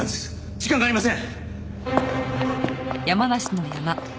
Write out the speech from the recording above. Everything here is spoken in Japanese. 時間がありません！